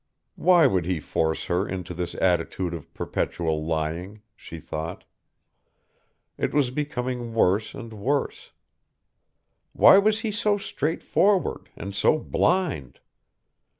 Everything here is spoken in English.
Why would he force her into this attitude of perpetual lying? she thought. It was becoming worse and worse. Why was he so straightforward and so blind?